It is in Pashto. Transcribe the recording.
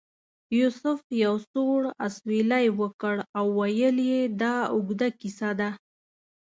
یوسف یو سوړ اسویلی وکړ او ویل یې دا اوږده کیسه ده.